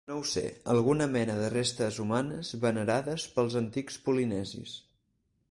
No ho sé, alguna mena de restes humanes venerades pels antics polinesis.